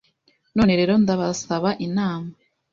None rero ndabasaba inama